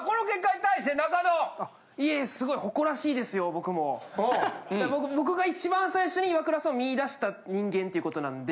僕が一番最初にイワクラさんを見いだした人間ということなんで。